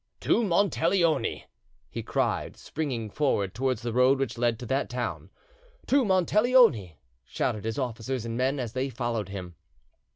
"To Monteleone!" he cried, springing forward towards the road which led to that town. "To Monteleone!" shouted his officers and men, as they followed him.